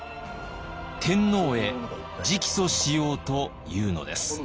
天皇へ直訴しようというのです。